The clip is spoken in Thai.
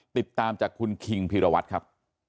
ติดตามจากคุณคิงพีรวัตรครับ